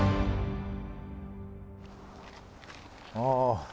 ああ。